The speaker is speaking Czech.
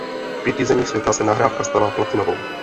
V pěti zemích světa se nahrávka stala platinovou.